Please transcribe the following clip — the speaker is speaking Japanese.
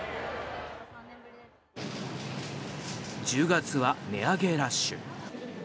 １０月は値上げラッシュ。